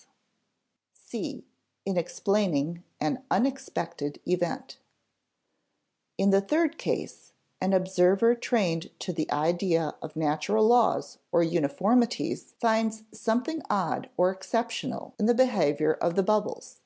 [Sidenote: (c) in explaining an unexpected event] In the third case, an observer trained to the idea of natural laws or uniformities finds something odd or exceptional in the behavior of the bubbles.